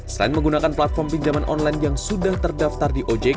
selain menggunakan platform pinjaman online yang sudah terdaftar di ojk